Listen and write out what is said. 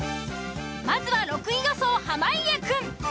まずは６位予想濱家くん。